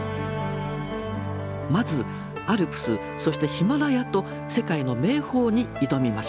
まずアルプスそしてヒマラヤと世界の名峰に挑みました。